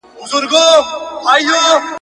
بې نوبتي کوه مُغانه پر ما ښه لګیږي ..